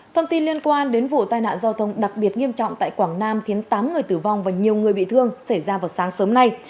thông tin liên quan đến vụ tai nạn giao thông đặc biệt nghiêm trọng tại quảng nam khiến tám người tử vong và nhiều người bị thương xảy ra vào sáng sớm nay